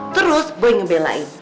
terus boy ngebelain